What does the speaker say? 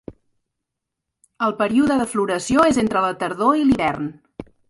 El període de floració és entre la tardor i l'hivern.